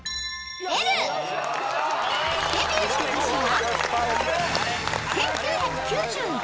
［デビューした年は？］